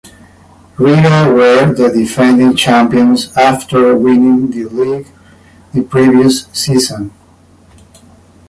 Riga were the defending champions after winning the league the previous season.